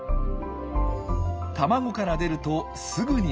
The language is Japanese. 卵から出るとすぐに脱皮。